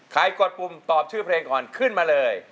กดปุ่มตอบชื่อเพลงก่อนขึ้นมาเลย